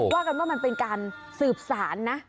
ว่ากันว่ามันเป็นการสืบสารนะ